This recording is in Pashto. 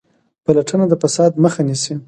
پلټنه د فساد مخه نیسي